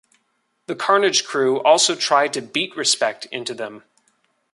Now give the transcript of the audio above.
The Carnage Crew also tried to beat respect into them.